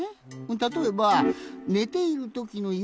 たとえばねているときの夢